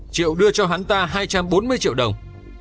triệu đưa cho hắn ta hai trăm bốn mươi triệu đồng